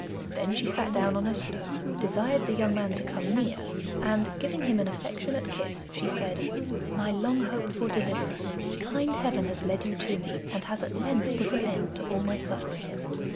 Then she sat down on a stone, desired the young man to come near, and, giving him an affectionate kiss, she said, 'My long hoped for deliverer, kind heaven has led you to me, and has at length put an end to all my sufferings.